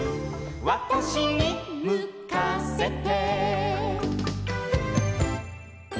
「わたしにむかせて」